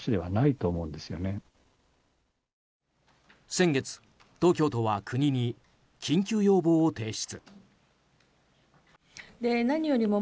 先月、東京都は国に緊急要望を提出。